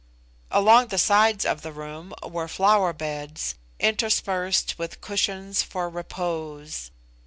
Along the sides of the room were flower beds, interspersed with cushions for repose.